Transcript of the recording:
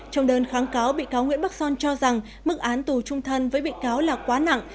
trong đơn kháng cáo bị cáo nguyễn bắc son cho rằng mức án tù trung thân với bị cáo là quá nặng